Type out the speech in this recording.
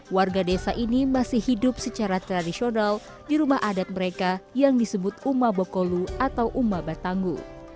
warga desa ini masih hidup secara tradisional di rumah adat mereka yang disebut uma bokolu atau uma batangu